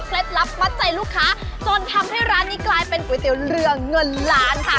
ลับมัดใจลูกค้าจนทำให้ร้านนี้กลายเป็นก๋วยเตี๋ยวเรือเงินล้านค่ะ